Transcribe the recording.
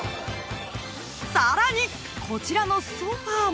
［さらにこちらのソファも］